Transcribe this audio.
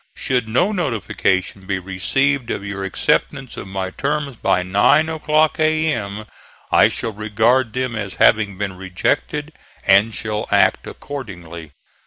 Should no notification be received of your acceptance of my terms by nine o'clock A.M. I shall regard them as having been rejected, and shall act accordingly.